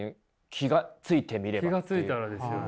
気が付いたらですよね。